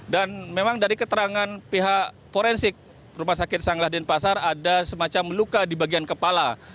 dan memang dari keterangan pihak forensik rumah sakit sangladin pasar ada semacam luka di bagian kepala